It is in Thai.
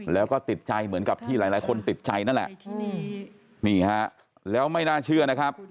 แล้วก็ติดใจเหมือนกับที่หลายหลายคนติดใจนั่นแหละนี่ฮะแล้วไม่น่าเชื่อนะครับ